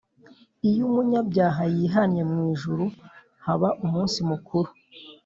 Iyo umunyabyaha yihannye mwijuru haba umunsi mukuru